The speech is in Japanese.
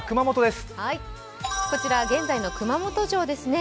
こちら現在の熊本城ですね。